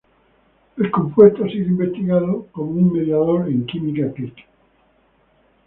El compuesto ha sido investigado como un mediador en química click.